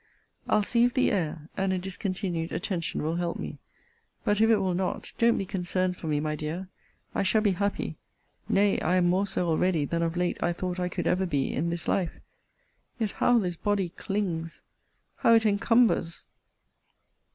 I'll see if the air, and a discontinued attention, will help me. But, if it will not, don't be concerned for me, my dear. I shall be happy. Nay, I am more so already than of late I thought I could ever be in this life. Yet how this body clings! How it encumbers!